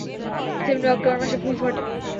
সেপ্টেম্বর-অক্টোবর মাসে ফুল ফোটে।